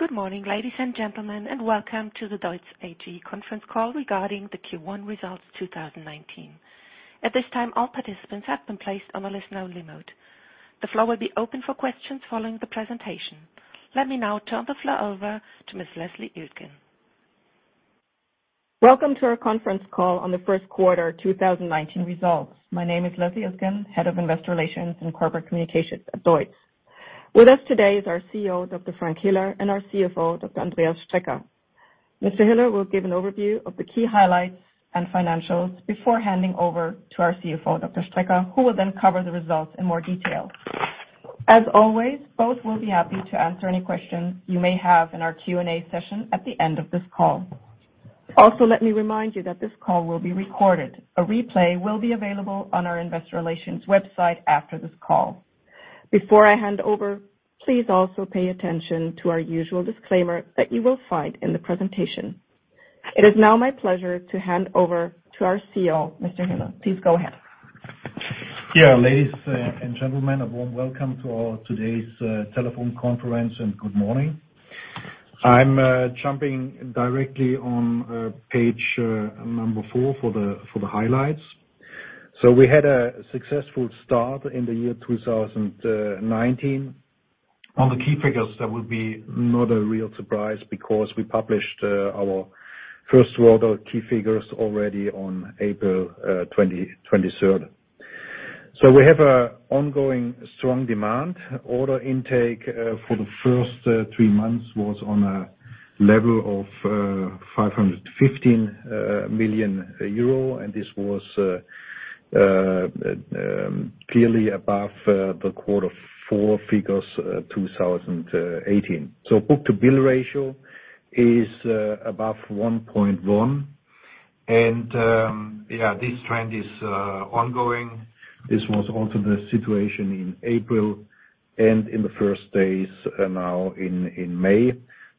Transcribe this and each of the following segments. Good morning, ladies and gentlemen, and welcome to the DEUTZ AG conference call regarding the Q1 results 2019. At this time, all participants have been placed on a listen-only mode. The floor will be open for questions following the presentation. Let me now turn the floor over to Ms. Leslie Utkin. Welcome to our conference call on the first quarter 2019 results. My name is Leslie Utkin, Head of Investor Relations and Corporate Communications at DEUTZ. With us today is our CEO, Dr. Frank Hiller, and our CFO, Dr. Andreas Strecker. Mr. Hiller will give an overview of the key highlights and financials before handing over to our CFO, Dr. Strecker, who will then cover the results in more detail. As always, both will be happy to answer any questions you may have in our Q&A session at the end of this call. Also, let me remind you that this call will be recorded. A replay will be available on our Investor Relations website after this call. Before I hand over, please also pay attention to our usual disclaimer that you will find in the presentation. It is now my pleasure to hand over to our CEO, Mr. Hiller. Please go ahead. Yeah, ladies and gentlemen, a warm welcome to today's telephone conference and good morning. I'm jumping directly on page number four for the highlights. We had a successful start in the year 2019. On the key figures, that would be not a real surprise because we published our first quarter key figures already on April 23rd. We have an ongoing strong demand. Order intake for the first three months was on a level of 515 million euro, and this was clearly above the quarter four figures 2018. Book-to-bill ratio is above 1.1, and yeah, this trend is ongoing. This was also the situation in April and in the first days now in May.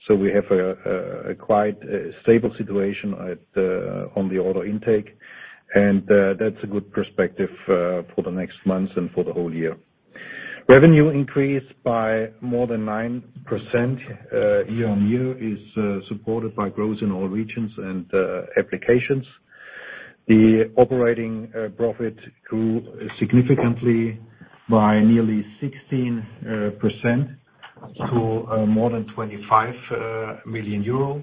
We have a quite stable situation on the order intake, and that's a good perspective for the next months and for the whole year. Revenue increased by more than 9% Year-over-Year, supported by growth in all regions and applications. The operating profit grew significantly by nearly 16% to more than 25 million euro.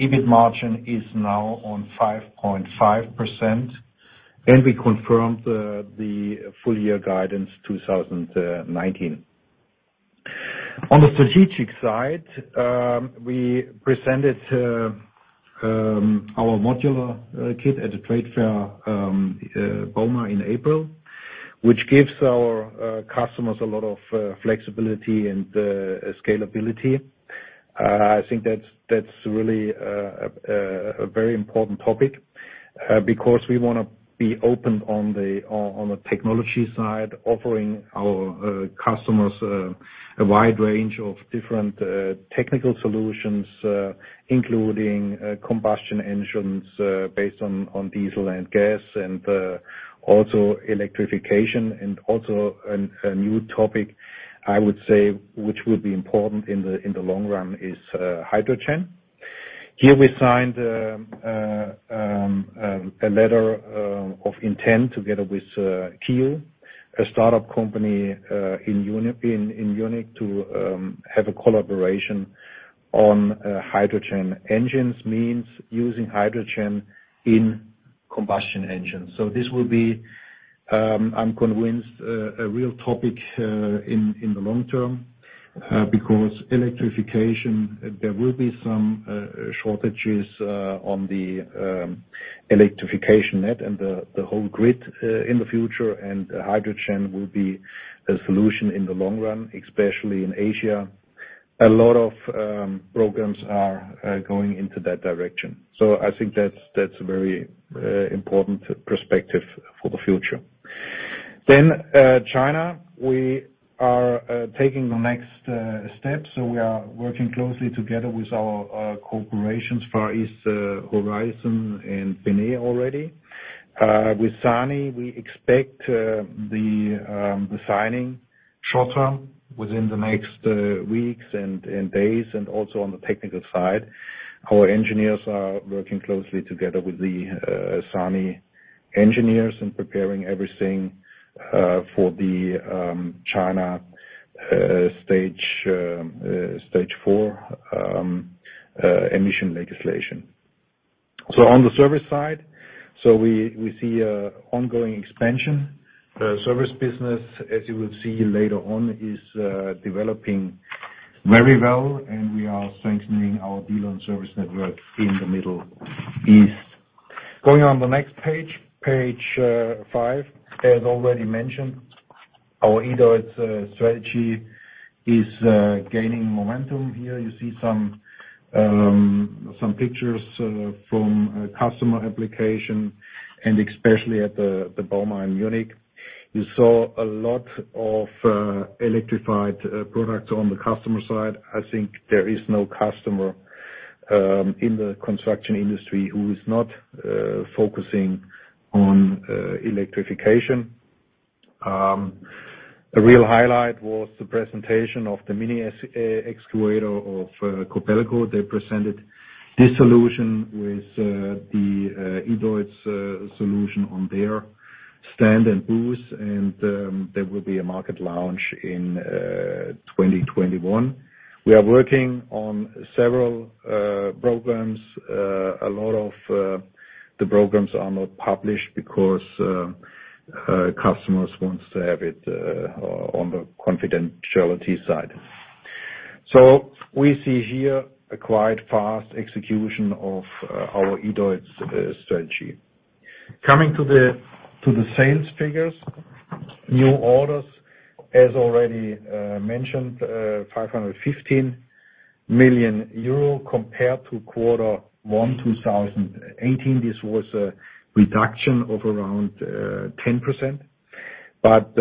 EBIT margin is now at 5.5%, and we confirmed the full year guidance 2019. On the strategic side, we presented our modular kit at the trade fair Bauma in April, which gives our customers a lot of flexibility and scalability. I think that's really a very important topic because we want to be open on the technology side, offering our customers a wide range of different technical solutions, including combustion engines based on diesel and gas and also electrification. Also, a new topic, I would say, which would be important in the long run is hydrogen. Here we signed a letter of intent together with Kiel, a startup company in Munich, to have a collaboration on hydrogen engines, means using hydrogen in combustion engines. This will be, I'm convinced, a real topic in the long term because electrification, there will be some shortages on the electrification net and the whole grid in the future, and hydrogen will be a solution in the long run, especially in Asia. A lot of programs are going into that direction. I think that's a very important perspective for the future. China, we are taking the next step. We are working closely together with our corporations, Far East Horizon and PNE already. With SANY, we expect the signing short term within the next weeks and days and also on the technical side. Our engineers are working closely together with the SANY engineers and preparing everything for the China stage four emission legislation. On the service side, we see an ongoing expansion. The service business, as you will see later on, is developing very well, and we are strengthening our DEUTZ service network in the Middle East. Going on the next page, page five, as already mentioned, our DEUTZ strategy is gaining momentum here. You see some pictures from customer application and especially at the Bauma in Munich. You saw a lot of electrified products on the customer side. I think there is no customer in the construction industry who is not focusing on electrification. A real highlight was the presentation of the mini excavator of Kobelco. They presented this solution with the DEUTZ solution on their stand and booth, and there will be a market launch in 2021. We are working on several programs. A lot of the programs are not published because customers want to have it on the confidentiality side. We see here a quite fast execution of our DEUTZ strategy. Coming to the sales figures, new orders, as already mentioned, 515 million euro compared to quarter one 2018. This was a reduction of around 10%, but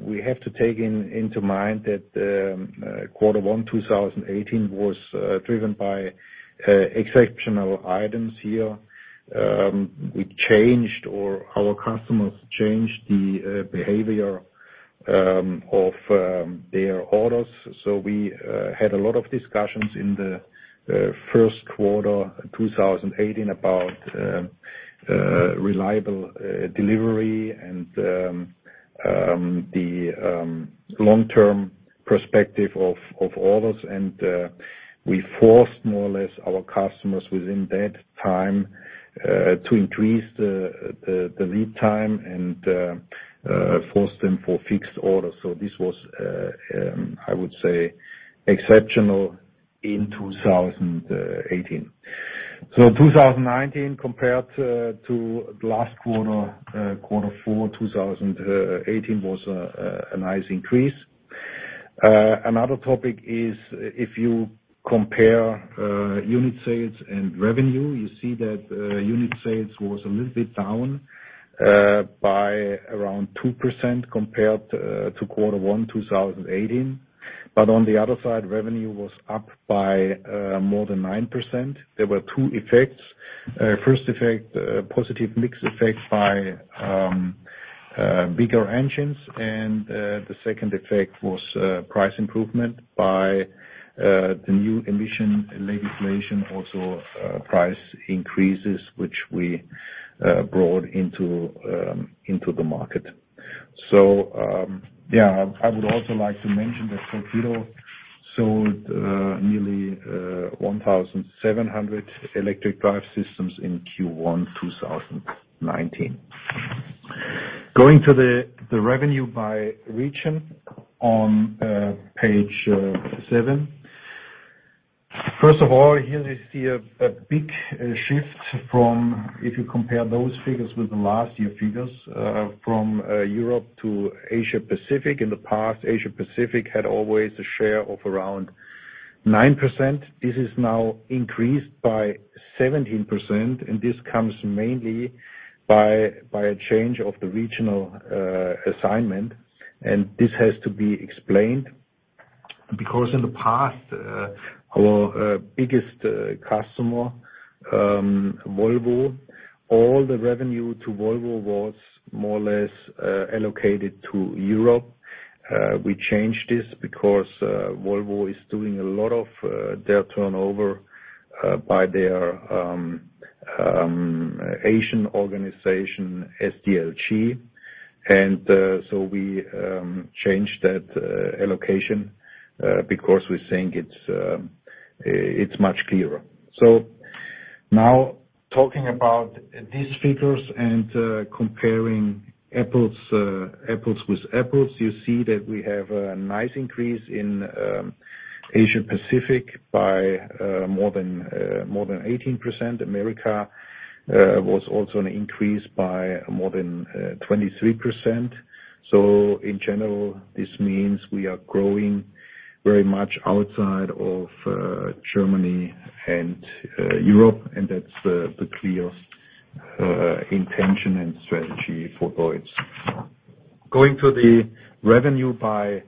we have to take into mind that quarter one 2018 was driven by exceptional items here. We changed, or our customers changed the behavior of their orders. We had a lot of discussions in the first quarter 2018 about reliable delivery and the long-term perspective of orders. We forced more or less our customers within that time to increase the lead time and forced them for fixed orders. This was, I would say, exceptional in 2018. In 2019 compared to last quarter, quarter four 2018, was a nice increase. Another topic is if you compare unit sales and revenue, you see that unit sales was a little bit down by around 2% compared to quarter one 2018. On the other side, revenue was up by more than 9%. There were two effects. First effect, positive mix effect by bigger engines, and the second effect was price improvement by the new emission legislation, also price increases, which we brought into the market. I would also like to mention that Torquido sold nearly 1,700 electric drive systems in Q1 2019. Going to the revenue by region on page seven, first of all, here you see a big shift from if you compare those figures with the last year figures from Europe to Asia-Pacific. In the past, Asia-Pacific had always a share of around 9%. This is now increased by 17%, and this comes mainly by a change of the regional assignment. This has to be explained because in the past, our biggest customer, Volvo, all the revenue to Volvo was more or less allocated to Europe. We changed this because Volvo is doing a lot of their turnover by their Asian organization, SDLG. We changed that allocation because we think it's much clearer. Now talking about these figures and comparing apples with apples, you see that we have a nice increase in Asia-Pacific by more than 18%. America was also an increase by more than 23%. In general, this means we are growing very much outside of Germany and Europe, and that's the clear intention and strategy for DEUTZ. Going to the revenue by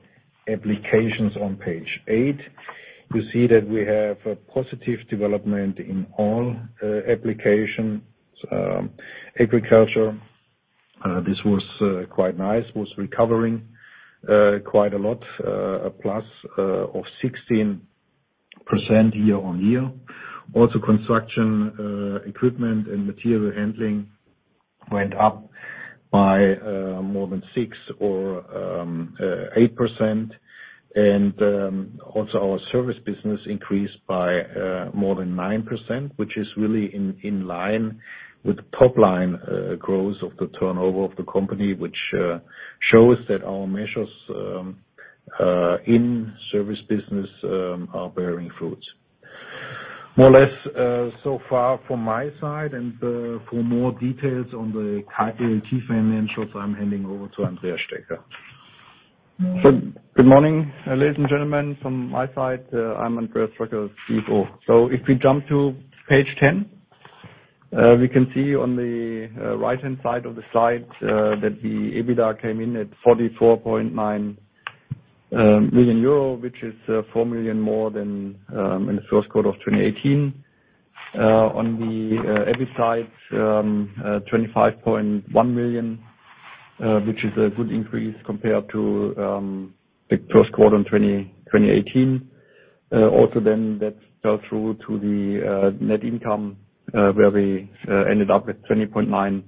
applications on page eight, you see that we have a positive development in all applications. Agriculture, this was quite nice, was recovering quite a lot, a plus of 16% Year-over-Year. Also, construction equipment and material handling went up by more than 6% or 8%. Also our service business increased by more than 9%, which is really in line with top-line growth of the turnover of the company, which shows that our measures in service business are bearing fruit. More or less so far from my side, and for more details on the key financials, I'm handing over to Andreas Strecker. Good morning, ladies and gentlemen. From my side, I'm Andreas Strecker, CFO. If we jump to page 10, we can see on the right-hand side of the slide that the EBITDA came in at 44.9 million euro, which is 4 million more than in the first quarter of 2018. On the EBIT side, 25.1 million, which is a good increase compared to the first quarter in 2018. Also then, that fell through to the net income, where we ended up with 20.9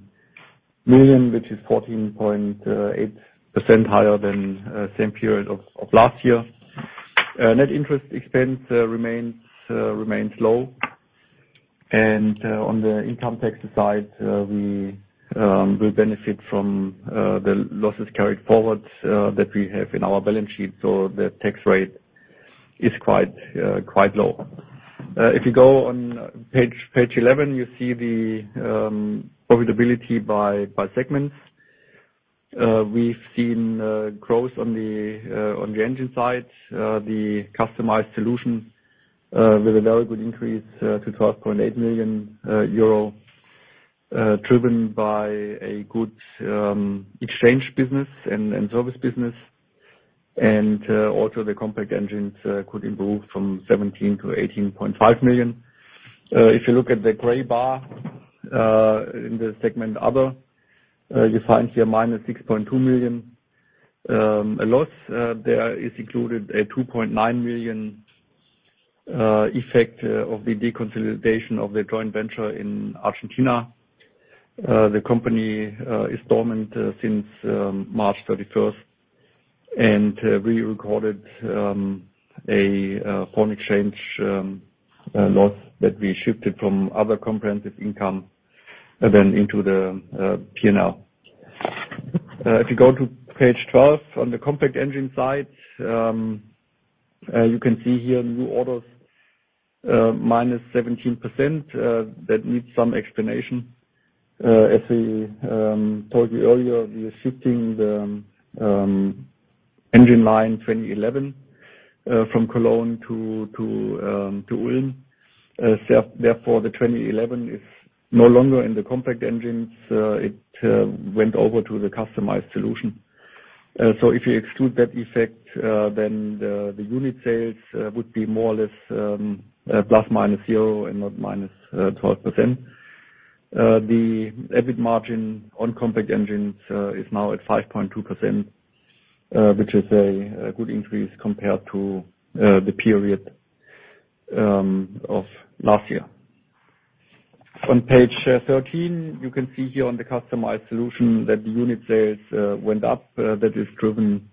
million, which is 14.8% higher than the same period of last year. Net interest expense remains low. On the income tax side, we will benefit from the losses carried forward that we have in our balance sheet. The tax rate is quite low. If you go on page 11, you see the profitability by segments. We've seen growth on the engine side, the customized solution with a very good increase to 12.8 million euro, driven by a good exchange business and service business. Also the compact engines could improve from 17 million to 18.5 million. If you look at the gray bar in the segment other, you find here minus 6.2 million. A loss there is included a 2.9 million effect of the deconsolidation of the joint venture in Argentina. The company is dormant since March 31st and we recorded a foreign exchange loss that we shifted from other comprehensive income and then into the P&L. If you go to page 12 on the compact engine side, you can see here new orders minus 17%. That needs some explanation. As we told you earlier, we are shifting the engine line 2011 from Cologne to Ulm. Therefore, the 2011 is no longer in the compact engines. It went over to the customized solution. If you exclude that effect, then the unit sales would be more or less plus minus 0 and not minus 12%. The EBIT margin on compact engines is now at 5.2%, which is a good increase compared to the period of last year. On page 13, you can see here on the customized solution that the unit sales went up. That is driven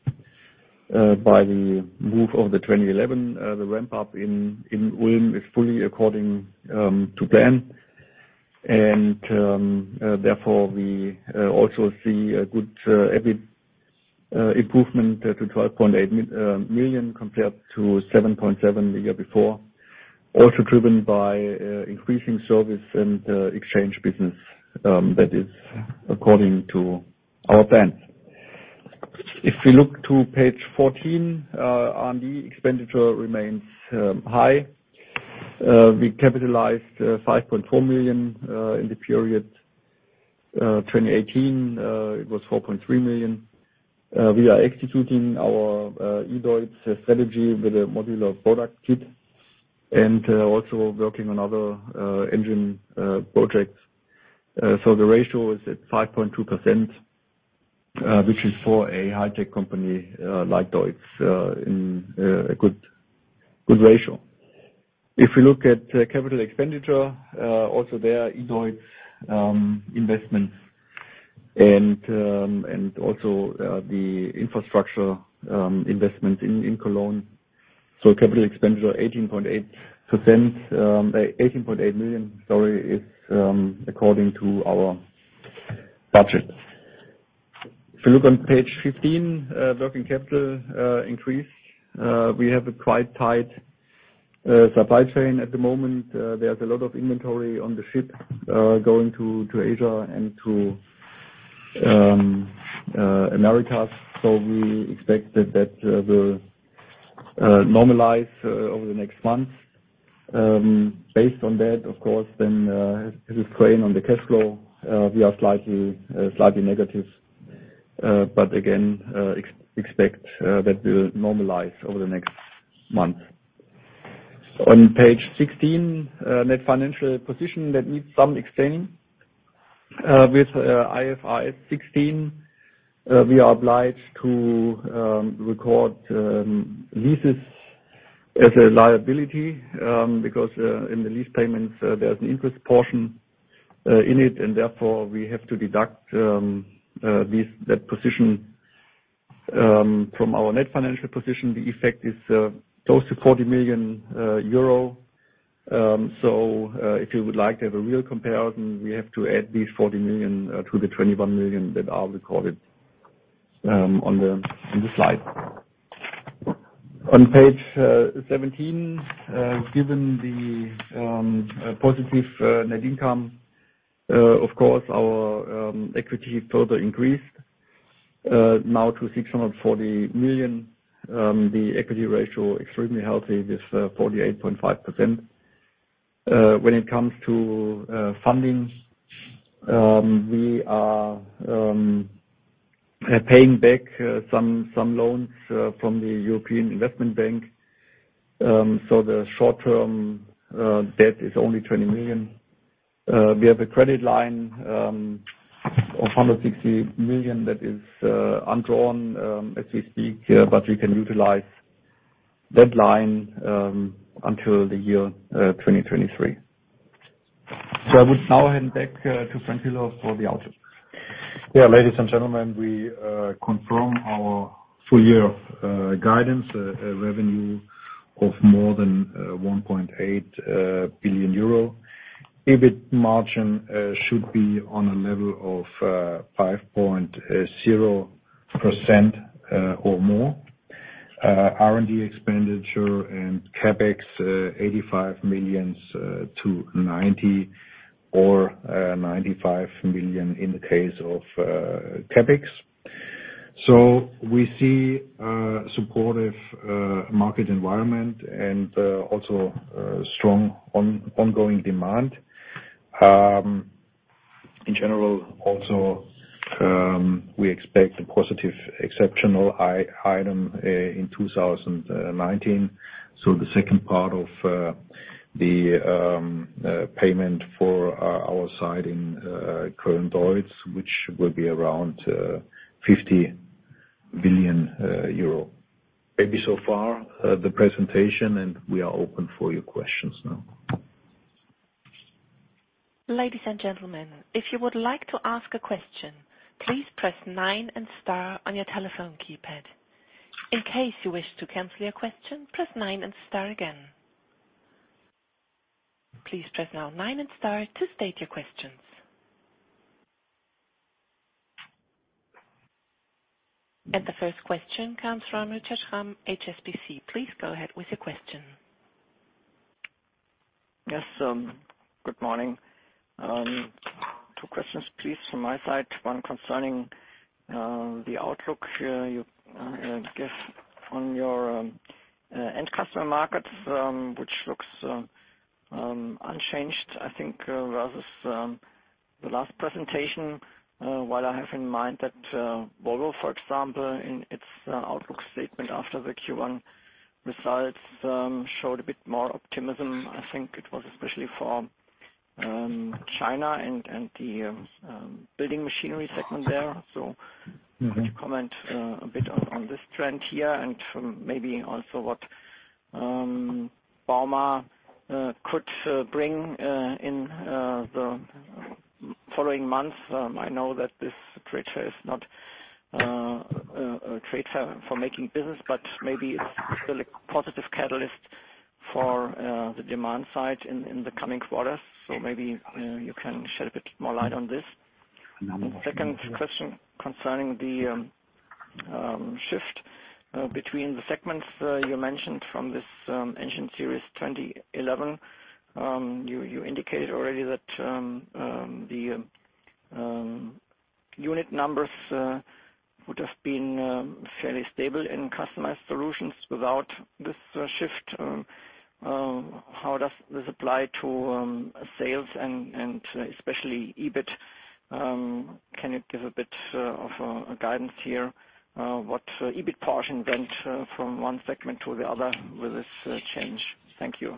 by the move of the 2011. The ramp-up in Ulm is fully according to plan. Therefore, we also see a good EBIT improvement to 12.8 million compared to 7.7 million the year before. Also driven by increasing service and exchange business. That is according to our plans. If we look to page 14, R&D expenditure remains high. We capitalized 5.4 million in the period 2018. It was 4.3 million. We are executing our DEUTZ strategy with a modular product kit and also working on other engine projects. The ratio is at 5.2%, which is for a high-tech company like DEUTZ in a good ratio. If we look at capital expenditure, also there are DEUTZ investments and also the infrastructure investments in Cologne. Capital expenditure 18.8 million, sorry, is according to our budget. If you look on page 15, working capital increase. We have a quite tight supply chain at the moment. There is a lot of inventory on the ship going to Asia and to America. We expect that that will normalize over the next months. Based on that, of course, then the strain on the cash flow, we are slightly negative. Again, expect that will normalize over the next month. On page 16, net financial position that needs some explaining. With IFRS 16, we are obliged to record leases as a liability because in the lease payments, there is an interest portion in it, and therefore we have to deduct that position from our net financial position. The effect is close to 40 million euro. If you would like to have a real comparison, we have to add these 40 million to the 21 million that are recorded on the slide. On page 17, given the positive net income, of course, our equity further increased now to 640 million. The equity ratio is extremely healthy with 48.5%. When it comes to funding, we are paying back some loans from the European Investment Bank. The short-term debt is only 20 million. We have a credit line of 160 million that is undrawn as we speak, but we can utilize that line until the year 2023. I would now hand back to Frank Tilo for the outlook. Yeah, ladies and gentlemen, we confirm our full year guidance, a revenue of more than 1.8 billion euro. EBIT margin should be on a level of 5.0% or more. R&D expenditure and CapEx, 85 million to 90 or 95 million in the case of CapEx. We see a supportive market environment and also strong ongoing demand. In general, we expect a positive exceptional item in 2019. The second part of the payment for our side in current DEUTZ, which will be around 50 million euro. Maybe so far the presentation, and we are open for your questions now. Ladies and gentlemen, if you would like to ask a question, please press 9 and star on your telephone keypad. In case you wish to cancel your question, press 9 and star again. Please press now 9 and star to state your questions. The first question comes from Richard Ham, HSBC. Please go ahead with your question. Yes, good morning. Two questions, please, from my side. One concerning the outlook you give on your end customer markets, which looks unchanged, I think, versus the last presentation. While I have in mind that Volvo, for example, in its outlook statement after the Q1 results showed a bit more optimism. I think it was especially for China and the building machinery segment there. Would you comment a bit on this trend here and maybe also what Bauma could bring in the following months? I know that this trade fair is not a trade fair for making business, but maybe it is still a positive catalyst for the demand side in the coming quarters. Maybe you can shed a bit more light on this. Second question concerning the shift between the segments you mentioned from this engine series 2011. You indicated already that the unit numbers would have been fairly stable in customized solutions without this shift. How does this apply to sales and especially EBIT? Can you give a bit of guidance here? What EBIT portion went from one segment to the other with this change? Thank you.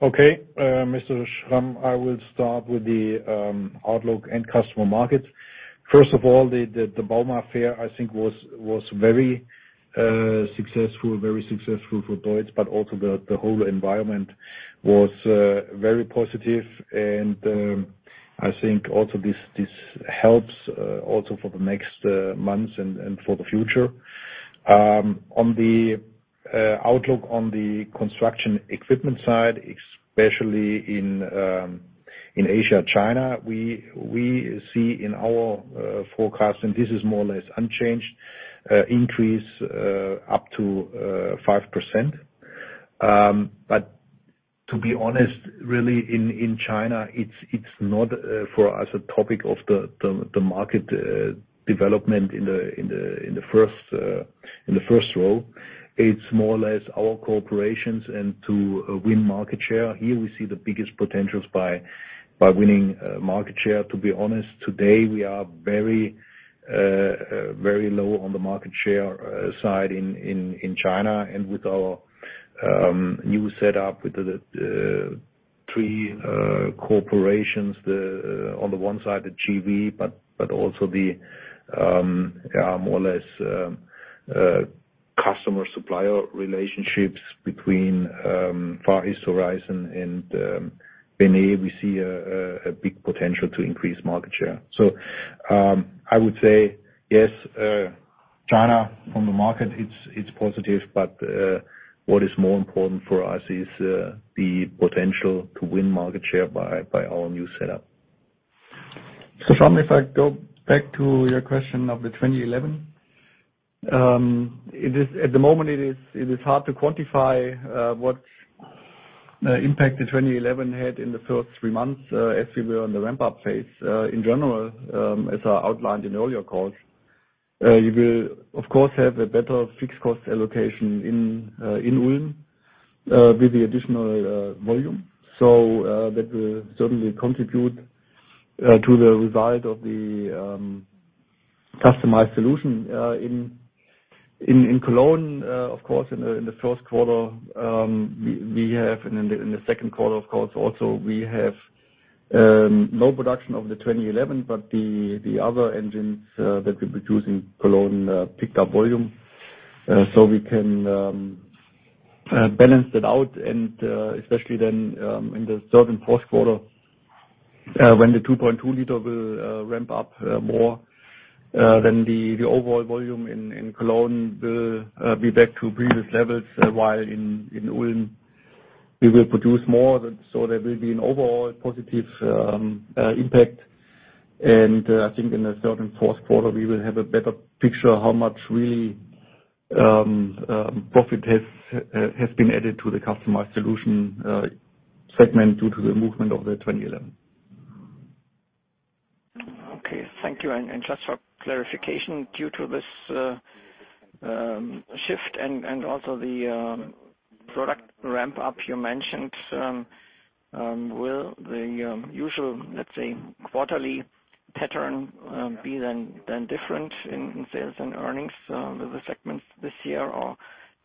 Okay, Mr. Schramm, I will start with the outlook and customer markets. First of all, the Bauma fair, I think, was very successful, very successful for DEUTZ, but also the whole environment was very positive. I think also this helps also for the next months and for the future. On the outlook on the construction equipment side, especially in Asia-China, we see in our forecast, and this is more or less unchanged, increase up to 5%. To be honest, really in China, it's not for us a topic of the market development in the first row. It's more or less our corporations and to win market share. Here we see the biggest potentials by winning market share. To be honest, today we are very, very low on the market share side in China. With our new setup with the three corporations, on the one side the JV, but also the more or less customer-supplier relationships between Far East Horizon and Bene, we see a big potential to increase market share. I would say, yes, China from the market, it's positive, but what is more important for us is the potential to win market share by our new setup. If I go back to your question of the 2011, at the moment, it is hard to quantify what impact the 2011 had in the first three months as we were on the ramp-up phase. In general, as I outlined in earlier calls, you will, of course, have a better fixed cost allocation in Ulm with the additional volume. That will certainly contribute to the result of the customized solution. In Cologne, of course, in the first quarter, we have, and in the second quarter, of course, also we have no production of the 2011, but the other engines that we produce in Cologne picked up volume. We can balance that out. Especially then in the third and fourth quarter, when the 2.2 liter will ramp up more, the overall volume in Cologne will be back to previous levels, while in Ulm we will produce more. There will be an overall positive impact. I think in the third and fourth quarter, we will have a better picture of how much really profit has been added to the customized solution segment due to the movement of the 2011. Thank you. Just for clarification, due to this shift and also the product ramp-up you mentioned, will the usual, let's say, quarterly pattern be then different in sales and earnings with the segments this year, or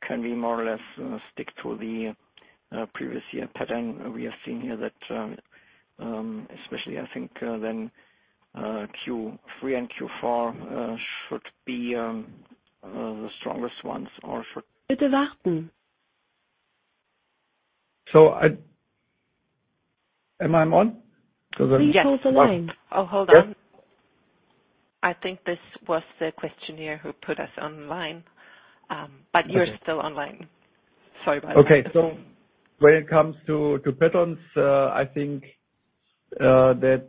can we more or less stick to the previous year pattern we have seen here that especially, I think, then Q3 & Q4 should be the strongest ones or should. Bitte warten. Am I on? Because I'm. Sie haben schon verloren. Hold on. I think this was the questionnaire who put us online. You're still online. Sorry about that. Okay, when it comes to patterns, I think that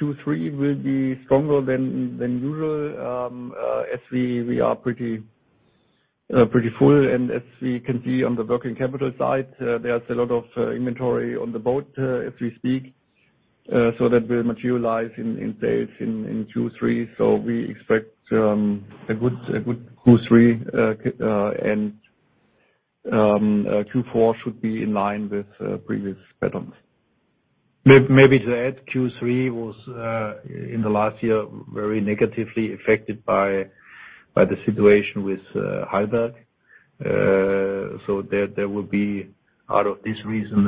Q3 will be stronger than usual as we are pretty full. As we can see on the working capital side, there is a lot of inventory on the boat as we speak. That will materialize in sales in Q3. We expect a good Q3 & Q4 should be in line with previous patterns. Maybe to add, Q3 was in the last year very negatively affected by the situation with Heidelberg. There will be, out of this reason,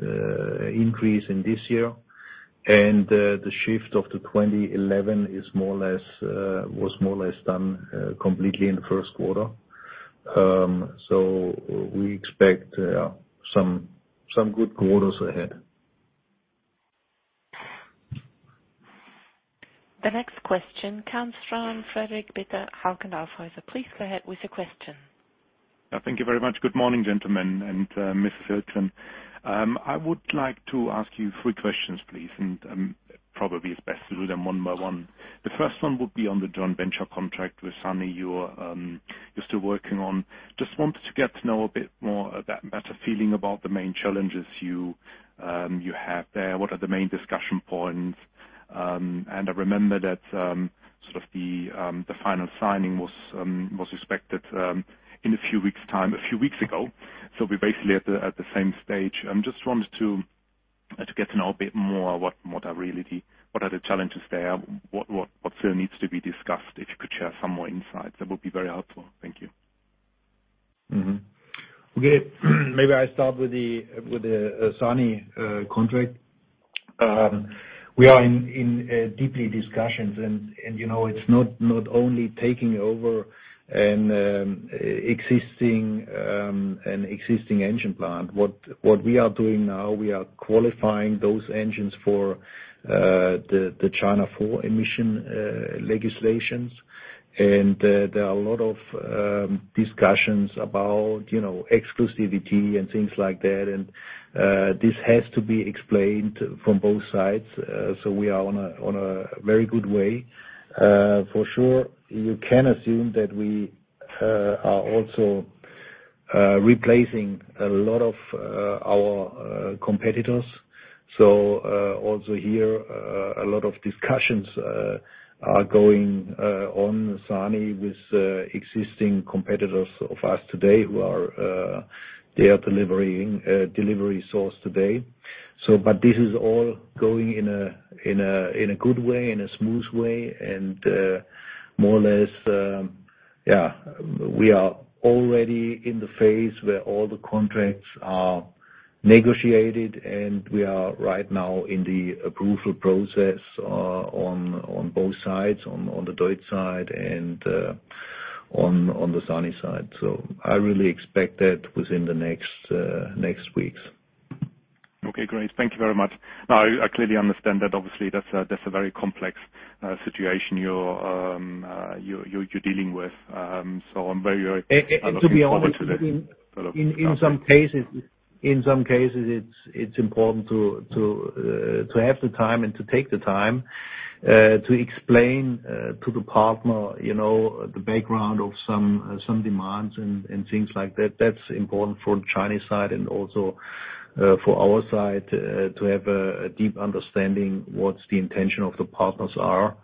an increase in this year. The shift of the 2011 was more or less done completely in the first quarter. We expect some good quarters ahead. The next question comes from Frederick Bitter. Hallo, Herr Schulte, please go ahead with your question. Thank you very much. Good morning, gentlemen, and Mrs. Schulte. I would like to ask you three questions, please, and probably it's best to do them one by one. The first one would be on the joint venture contract with SANY you're still working on. Just wanted to get to know a bit more, a better feeling about the main challenges you have there. What are the main discussion points? I remember that sort of the final signing was expected in a few weeks' time, a few weeks ago. We are basically at the same stage. I just wanted to get to know a bit more what are the challenges there, what still needs to be discussed. If you could share some more insights, that would be very helpful. Thank you. Okay, maybe I start with the SANY contract. We are in deeply discussions, and it's not only taking over an existing engine plant. What we are doing now, we are qualifying those engines for the China 4 emission legislations. There are a lot of discussions about exclusivity and things like that. This has to be explained from both sides. We are on a very good way. For sure, you can assume that we are also replacing a lot of our competitors. Also here, a lot of discussions are going on with SANY with existing competitors of us today who are their delivery source today. This is all going in a good way, in a smooth way. More or less, yeah, we are already in the phase where all the contracts are negotiated, and we are right now in the approval process on both sides, on the DEUTZ side and on the SANY side. I really expect that within the next weeks. Okay, great. Thank you very much. Now, I clearly understand that obviously that's a very complex situation you're dealing with. I am very, very happy to be able to. To be honest, in some cases, it's important to have the time and to take the time to explain to the partner the background of some demands and things like that. That's important for the Chinese side and also for our side to have a deep understanding of what the intention of the partners are.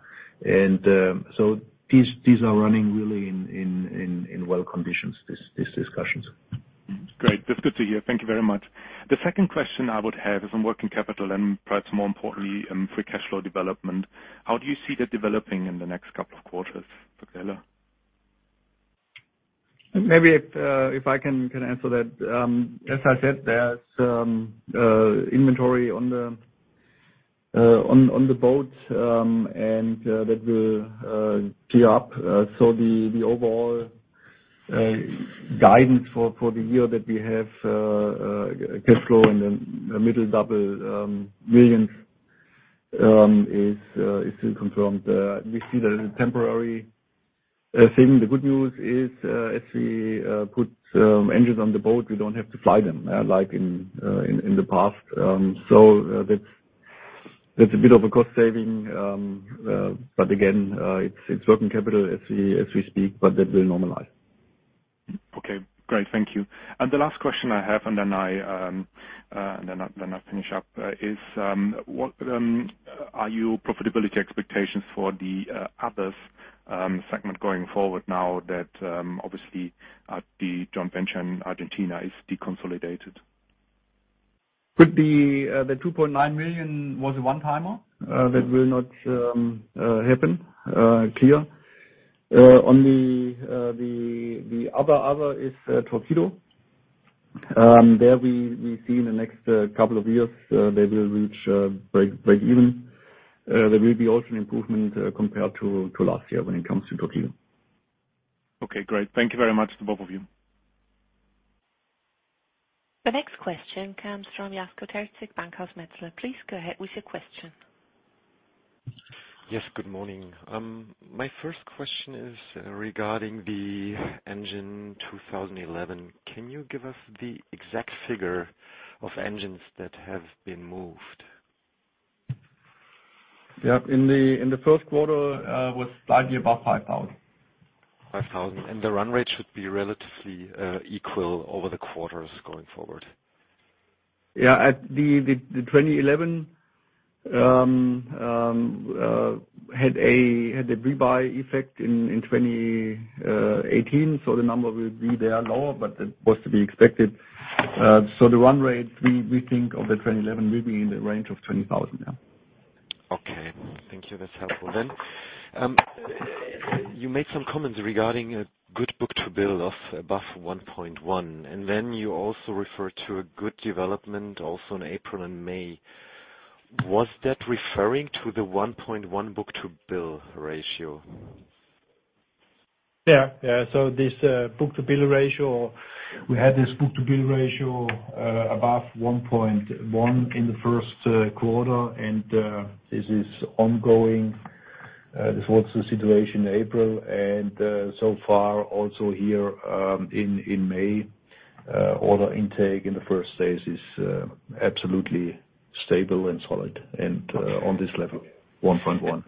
These are running really in well-conditions, these discussions. Great. That's good to hear. Thank you very much. The second question I would have is on working capital and perhaps more importantly, free cash flow development. How do you see that developing in the next couple of quarters? Maybe if I can answer that. As I said, there's inventory on the boat, and that will gear up. The overall guidance for the year that we have cash flow in the middle double millions is confirmed. We see that as a temporary thing. The good news is as we put engines on the boat, we do not have to fly them like in the past. That is a bit of a cost saving. Again, it is working capital as we speak, but that will normalize. Okay, great. Thank you. The last question I have, and then I will finish up, is what are your profitability expectations for the others segment going forward now that obviously the joint venture in Argentina is de-consolidated? The 2.9 million was a one-timer. That will not happen, clear. Only the other other is Torquido. There we see in the next couple of years they will reach break-even. There will be also an improvement compared to last year when it comes to Torquido. Okay, great. Thank you very much to both of you. The next question comes from Yasko Terzik, Bankhaus Metzler. Please go ahead with your question. Yes, good morning. My first question is regarding the Engine 2011. Can you give us the exact figure of engines that have been moved? Yeah, in the first quarter was slightly above 5,000. 5,000. The run rate should be relatively equal over the quarters going forward. Yeah, the 2011 had a rebuy effect in 2018, so the number will be there lower, but that was to be expected. The run rate, we think of the 2011, will be in the range of 20,000. Okay, thank you. That's helpful. You made some comments regarding a good book-to-bill of above 1.1. You also referred to a good development also in April and May. Was that referring to the 1.1 book-to-bill ratio? Yeah, yeah. This book-to-bill ratio, we had this book-to-bill ratio above 1.1 in the first quarter, and this is ongoing. This was the situation in April. So far here in May, order intake in the first phase is absolutely stable and solid and on this level, 1.1.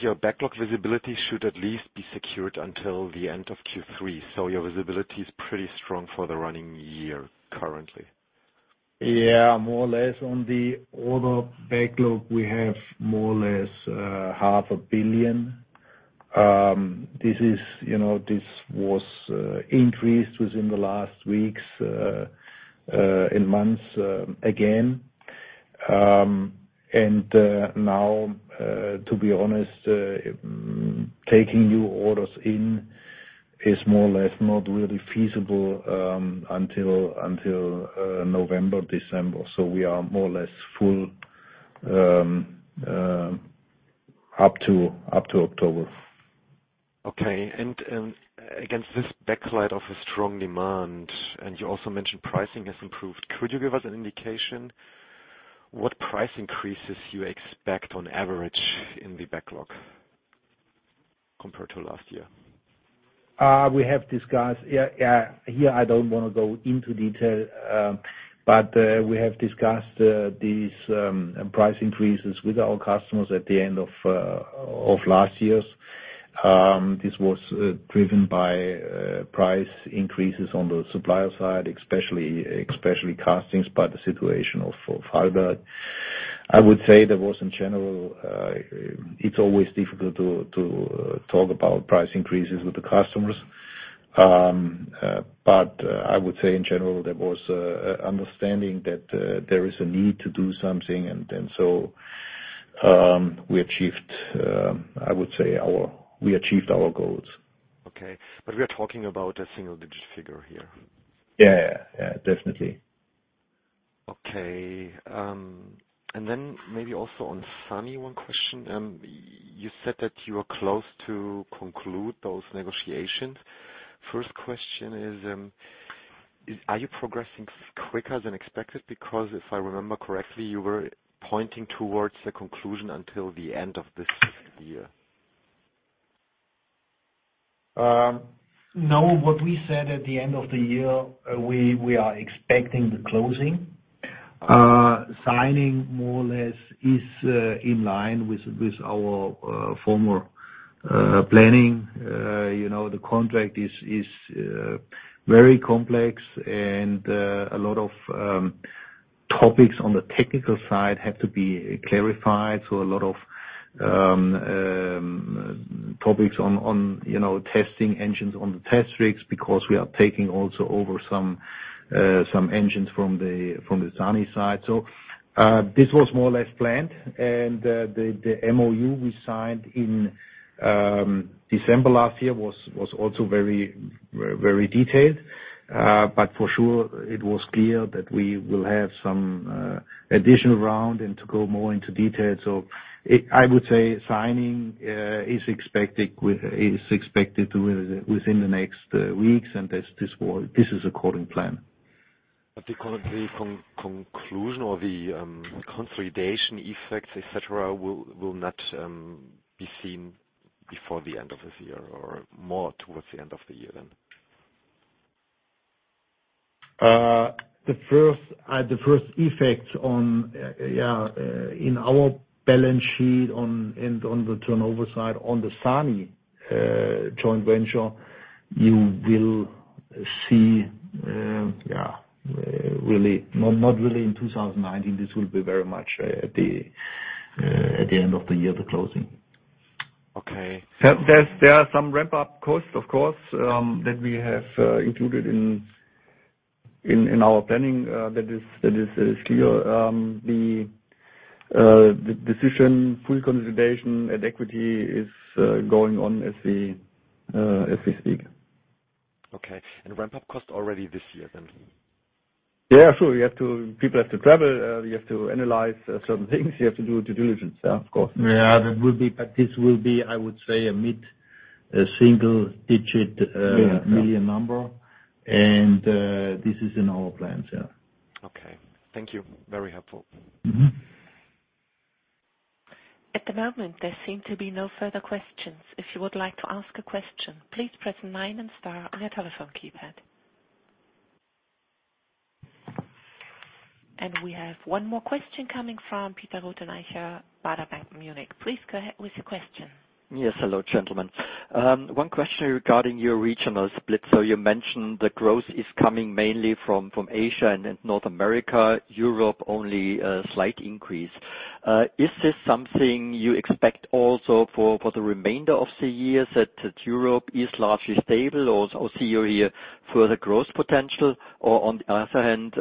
Your backlog visibility should at least be secured until the end of Q3. Your visibility is pretty strong for the running year currently. Yeah, more or less. On the order backlog, we have more or less €500,000,000. This was increased within the last weeks and months again. Now, to be honest, taking new orders in is more or less not really feasible until November-December. We are more or less full up to October. Okay. Against this backlight of a strong demand, and you also mentioned pricing has improved, could you give us an indication what price increases you expect on average in the backlog compared to last year? We have discussed here, I do not want to go into detail, but we have discussed these price increases with our customers at the end of last year. This was driven by price increases on the supplier side, especially costings by the situation of Heidelberg. I would say there was, in general, it is always difficult to talk about price increases with the customers. I would say, in general, there was an understanding that there is a need to do something. We achieved, I would say, we achieved our goals. Okay. We are talking about a single-digit figure here. Yeah, yeah, yeah. Definitely. Okay. Maybe also on SANY, one question. You said that you were close to conclude those negotiations. First question is, are you progressing quicker than expected? Because if I remember correctly, you were pointing towards the conclusion until the end of this year. No, what we said at the end of the year, we are expecting the closing. Signing more or less is in line with our former planning. The contract is very complex, and a lot of topics on the technical side have to be clarified. A lot of topics on testing engines on the test rigs because we are taking also over some engines from the SANY side. This was more or less planned. The MOU we signed in December last year was also very detailed. For sure, it was clear that we will have some additional round and to go more into detail. I would say signing is expected within the next weeks, and this is according to plan. The conclusion or the consolidation effects, etc., will not be seen before the end of this year or more towards the end of the year then? The first effects on, yeah, in our balance sheet and on the turnover side on the SANY joint venture, you will see, yeah, really not really in 2019. This will be very much at the end of the year, the closing. Okay. There are some ramp-up costs, of course, that we have included in our planning. That is clear. The decision, full consolidation at equity is going on as we speak. Okay. And ramp-up costs already this year then? Yeah, sure. People have to travel. You have to analyze certain things. You have to do due diligence, of course. Yeah, that will be. This will be, I would say, a mid-single-digit million number. This is in our plans, yeah. Okay. Thank you. Very helpful. At the moment, there seem to be no further questions. If you would like to ask a question, please press 9 and star on your telephone keypad. We have one more question coming from Peter Ruttenicher, Baader Bank Munich. Please go ahead with your question. Yes, hello, gentlemen. One question regarding your regional split. You mentioned the growth is coming mainly from Asia and North America, Europe only a slight increase. Is this something you expect also for the remainder of the year? Is it that Europe is largely stable or do you see here further growth potential? On the other hand,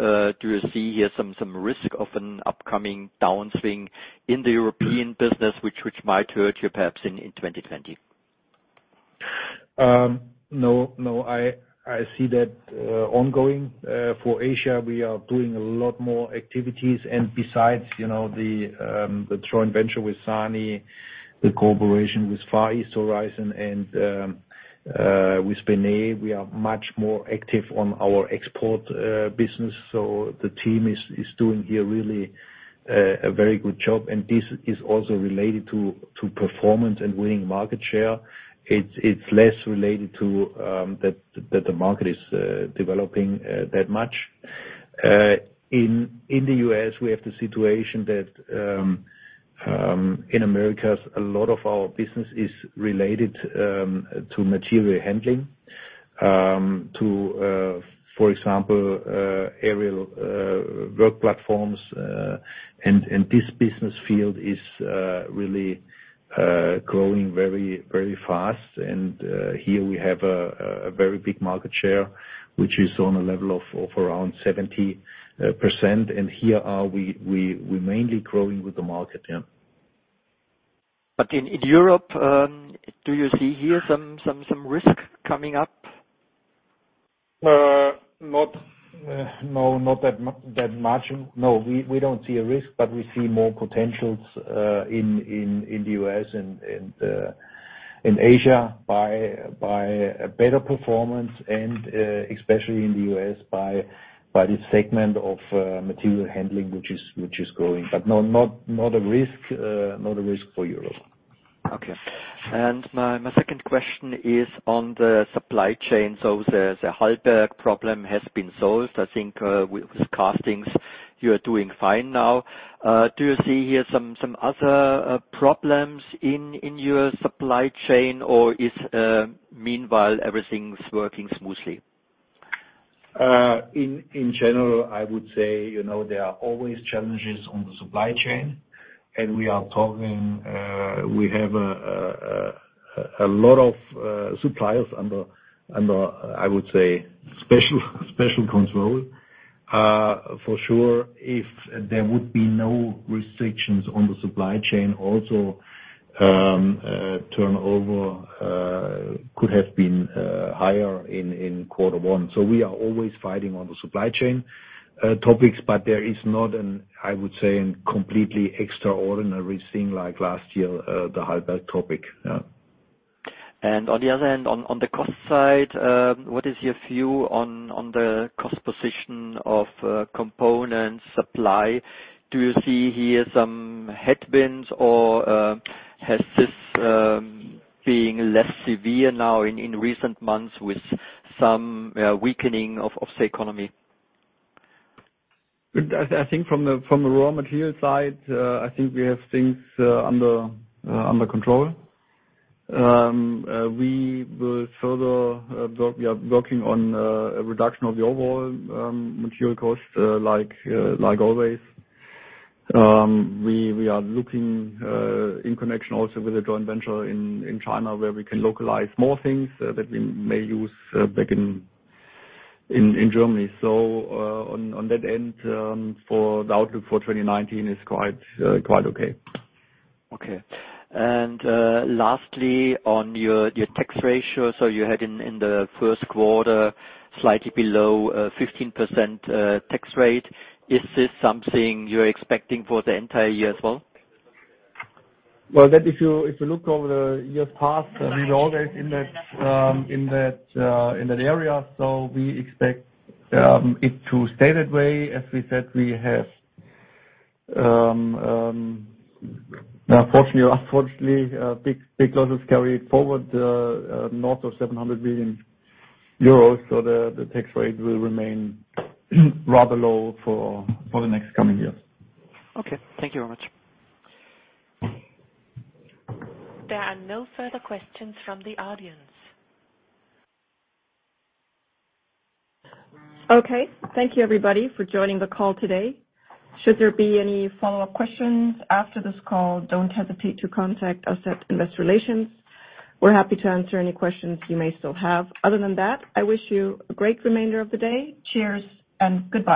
do you see here some risk of an upcoming downswing in the European business, which might hurt you perhaps in 2020? No, no. I see that ongoing. For Asia, we are doing a lot more activities. Besides the joint venture with SANY, the cooperation with Far East Horizon and with Benet, we are much more active on our export business. The team is doing here really a very good job. This is also related to performance and winning market share. It is less related to the market developing that much. In the U.S., we have the situation that in America, a lot of our business is related to material handling, to, for example, aerial work platforms. This business field is really growing very fast. Here we have a very big market share, which is on a level of around 70%. Here we are mainly growing with the market, yeah. In Europe, do you see here some risk coming up? No, not that much. No, we do not see a risk, but we see more potentials in the U.S. and in Asia by better performance and especially in the U.S. by the segment of material handling, which is growing. Not a risk, not a risk for Europe. Okay. My second question is on the supply chain. The Heidelberg problem has been solved. I think with castings, you are doing fine now. Do you see here some other problems in your supply chain, or is meanwhile everything working smoothly? In general, I would say there are always challenges on the supply chain. We are talking we have a lot of suppliers under, I would say, special control. For sure, if there would be no restrictions on the supply chain, also turnover could have been higher in quarter one. We are always fighting on the supply chain topics, but there is not, I would say, a completely extraordinary thing like last year, the Heidelberg topic, yeah. On the other hand, on the cost side, what is your view on the cost position of component supply? Do you see here some headwinds, or has this been less severe now in recent months with some weakening of the economy? I think from the raw material side, I think we have things under control. We will further work. We are working on a reduction of the overall material costs like always. We are looking in connection also with a joint venture in China where we can localize more things that we may use back in Germany. On that end, the outlook for 2019 is quite okay. Okay. On your tax ratio, you had in the first quarter slightly below 15% tax rate. Is this something you're expecting for the entire year as well? If you look over the years past, we were always in that area. We expect it to stay that way. As we said, we have, fortunately or unfortunately, big losses carried forward north of 700 million euros. The tax rate will remain rather low for the next coming years. Thank you very much. There are no further questions from the audience. Thank you, everybody, for joining the call today. Should there be any follow-up questions after this call, do not hesitate to contact us at Investor Relations. We are happy to answer any questions you may still have. Other than that, I wish you a great remainder of the day. Cheers and goodbye.